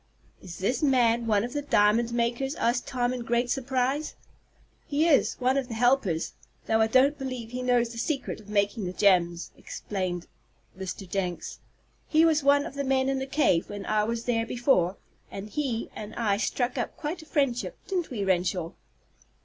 "Is this man one of the diamond makers?" asked Tom, in great surprise. "He is one of the helpers, though I don't believe he knows the secret of making the gems," explained Mr. Jenks. "He was one of the men in the cave when I was there before, and he and I struck up quite a friendship; didn't we, Renshaw?"